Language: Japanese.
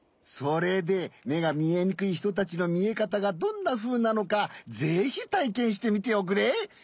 それでめがみえにくいひとたちのみえかたがどんなふうなのかぜひたいけんしてみておくれ！